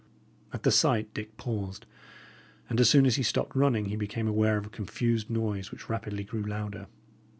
At the sight Dick paused; and as soon as he stopped running, he became aware of a confused noise, which rapidly grew louder.